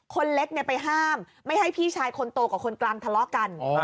คนเล็กไปห้ามไม่ให้พี่ชายคนโตกับคนกลางทะเลาะกัน